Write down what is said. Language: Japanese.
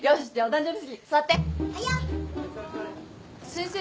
・先生